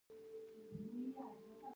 اوس مصنوعي چمنونه هم جوړ شوي دي.